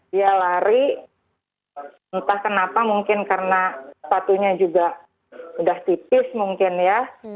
dia lari entah kenapa mungkin karena sepatunya juga udah tipis mungkin ya